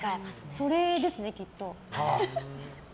それですね、きっと。